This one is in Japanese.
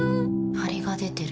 ハリが出てる。